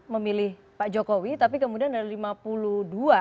empat puluh delapan memilih pak jokowi tapi kemudian ada lima puluh dua